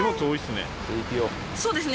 そうですね。